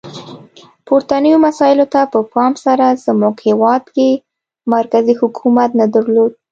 پورتنیو مسایلو ته په پام سره زموږ هیواد کې مرکزي حکومت نه درلود.